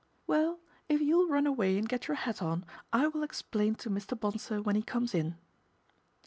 1 Well, if you'll run away and get your hat on, I will explain to Mr. Bonsor when he comes in."